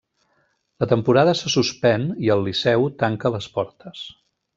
La temporada se suspèn i el Liceu tancà les portes.